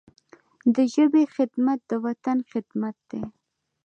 د ژبي خدمت، د وطن خدمت دی.